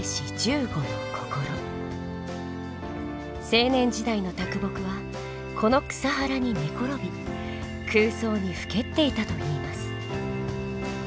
青年時代の木はこの草原に寝転び空想にふけっていたといいます。